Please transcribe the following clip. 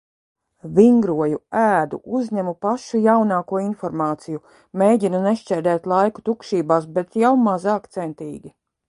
Vingroju. Ēdu. Uzņemu pašu jaunāko informāciju. Mēģinu nešķērdēt laiku tukšībās, bet jau mazāk centīgi.